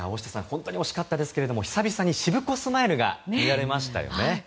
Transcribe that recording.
本当に惜しかったですが久々にしぶこスマイルが見られましたよね。